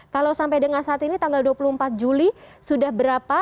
kalau sampai dengan saat ini tanggal dua puluh empat juli sudah berapa